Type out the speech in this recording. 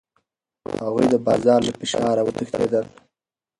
هغوی د بازار له فشاره وتښتېدل.